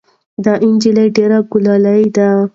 دا نجلۍ ډېره ګلالۍ ده.